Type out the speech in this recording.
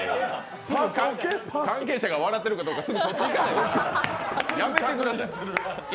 関係者が笑ってるかどうか、すぐそっち行くのやめてください。